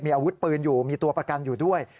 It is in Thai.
อาวุธปืนอยู่มีตัวประกันอยู่ด้วย